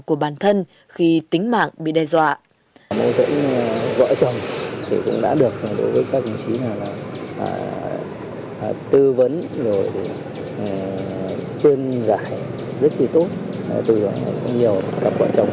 của bản thân khi tính mạng bị đe dọa